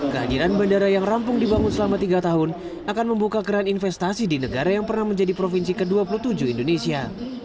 kehadiran bandara yang rampung dibangun selama tiga tahun akan membuka keran investasi di negara yang pernah menjadi provinsi ke dua puluh tujuh indonesia